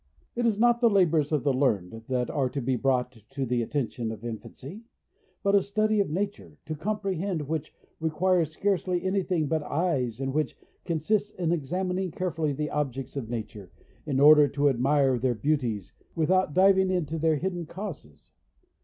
It is not the labours of the learned that are to be brought to the attention of infancy, but a study of nature, to comprehend which requires scarcely anything but eyes and which consists in examining carefully the objects of nature, in order to admire their beauties, without diving into their hidden causes.